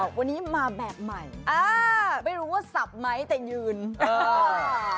วันนี้มาแบบใหม่อ่าไม่รู้ว่าสับไหมแต่ยืนเออ